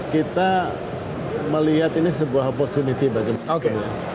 kita melihat ini sebagai sebuah opportunity bagi kita